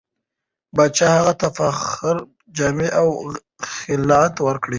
پاچا هغه ته فاخره جامې او خلعت ورکړ.